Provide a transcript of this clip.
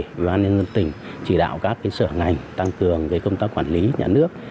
đối với an ninh dân tỉnh chỉ đạo các sở ngành tăng cường với công tác quản lý nhà nước